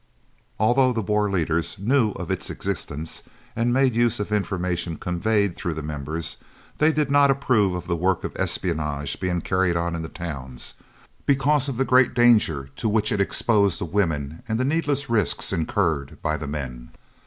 Although the Boer leaders knew of its existence and made use of information conveyed through the members, they did not approve of the work of espionage being carried on in the towns, because of the great danger to which it exposed the women and the needless risks incurred by the men.